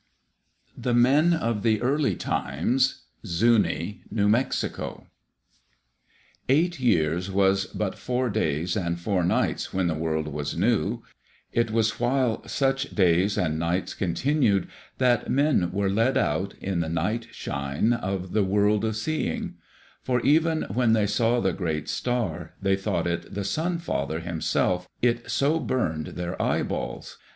The Men of the Early Times Zuni (New Mexico) Eight years was but four days and four nights when the world was new. It was while such days and nights continued that men were led out, in the night shine of the World of Seeing. For even when they saw the great star, they thought it the Sun father himself, it so burned their eye balls.